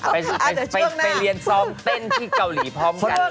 ไปเรียนซ้อมเต้นที่เกาหลีพร้อมกัน